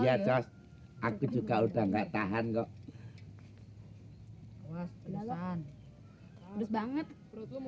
ya coba aku juga udah nggak tahan kok